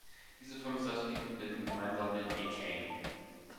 Diese fünf Satelliten bilden gemeinsam den A-Train.